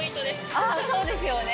ああそうですよね。